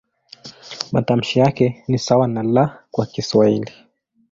Matamshi yake ni sawa na "L" kwa Kiswahili.